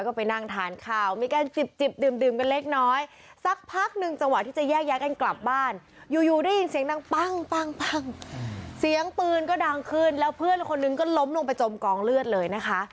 ก็ไปนั่งทานข้าวมีการจิบดื่มกันเล็กน้อย